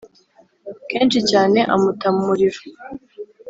Kenshi cyane amuta mu muriro